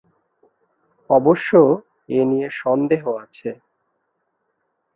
অবশ্য এ নিয়ে সন্দেহ আছে।